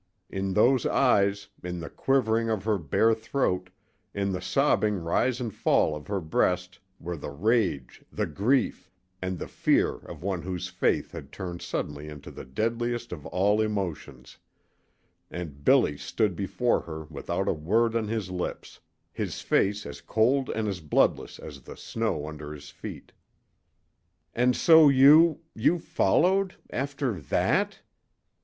In those eyes, in the quivering of her bare throat, in the sobbing rise and fall of her breast were the rage, the grief, and the fear of one whose faith had turned suddenly into the deadliest of all emotions; and Billy stood before her without a word on his lips, his face as cold and as bloodless as the snow under his feet. "And so you you followed after that!"